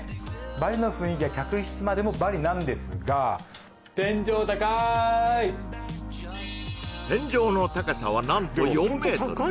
バリの雰囲気が客室までもバリなんですが天井の高さは何と４ｍ！